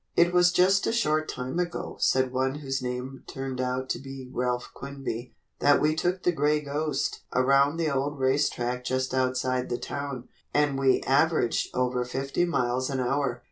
"It was just a short time ago," said one whose name turned out to be Ralph Quinby, "that we took the 'Gray Ghost' around the old race track just outside the town, and we averaged over fifty miles an hour.